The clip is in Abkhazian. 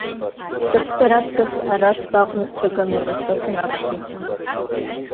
Сыԥсыр аҵкыс ара сгәаҟны, сҭыган уара сыфа наҟгьы!